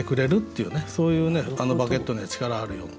そういうバゲットには力あるよって。